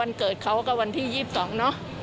เกิดเขาก็วันที่๒๒เนอะ